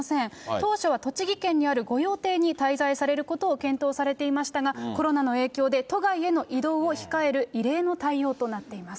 当初は栃木県にある御用邸に滞在されることを検討されていましたが、コロナの影響で、都外への移動を控える異例の対応となっています。